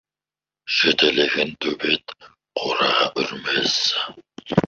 Жетелеген төбет қораға үрмес.